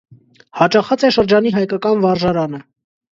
Յաճախած է շրջանի հայկական վարժարանը։